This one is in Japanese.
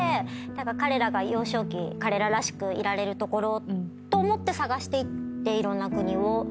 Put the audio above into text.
彼らが幼少期彼ららしくいられる所と思って探していっていろんな国を。